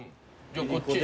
じゃあこっち